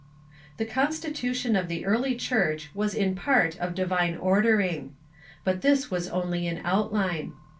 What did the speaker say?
] The constitution of the early Church Avas in part of divine ordering. But this was only in outline.